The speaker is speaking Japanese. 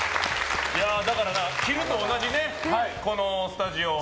だから、昼と同じこのスタジオ。